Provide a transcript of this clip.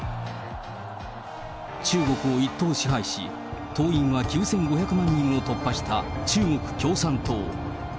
中国を一党支配し、党員は９５００万人を突破した中国共産党。